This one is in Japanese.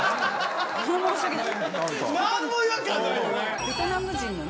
申し訳ない。